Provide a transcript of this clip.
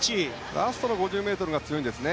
ラストの５０ｍが強いんですね。